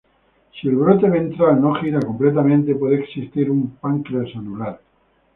Si el brote ventral no gira completamente, puede existir un páncreas anular.